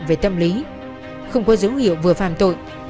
về tâm lý không có dấu hiệu vừa phạm tội